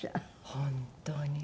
本当に。